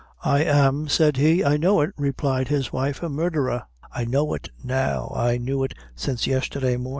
"I am ," said he. "I know it," replied his wife; "a murdherer! I know it now I knew it since yesterday mornin'."